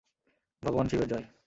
ভগবান শিবের জয়।